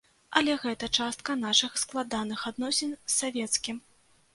Але гэта частка нашых складаных адносін з савецкім.